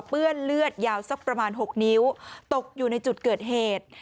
เลือดยาวสักประมาณ๖นิ้วตกอยู่ในจุดเกิดเหตุ